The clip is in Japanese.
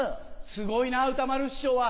すごいな歌丸師匠は。